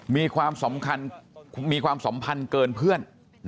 มีความสัมพันธ์เกินเพื่อน